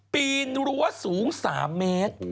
ปีนรั้วสูง๓เมตร